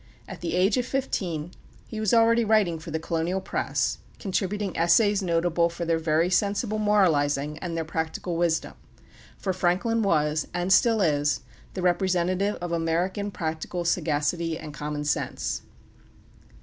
At the age of fifteen he was already writing for the colonial press, contributing essays notable for their very sensible moralizing and their practical wisdom; for Franklin was, and still is, the representative of American practical sagacity and commonsense.